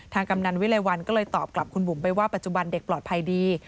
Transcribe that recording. กำนันวิไลวันก็เลยตอบกลับคุณบุ๋มไปว่าปัจจุบันเด็กปลอดภัยดี